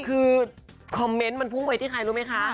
คือคอมเมนต์มันพุ่งไปที่ใครรู้ไหมคะ